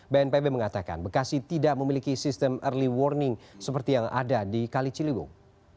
bnpb mengatakan bekasi tidak memiliki sistem early warning seperti yang ada di kali ciliwung